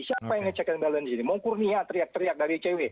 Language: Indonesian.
siapa yang ngecek balance ini mongkur nia teriak teriak dari cw